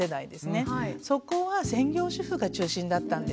そこは専業主婦が中心だったんです。